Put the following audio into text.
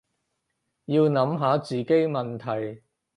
要諗下自己問題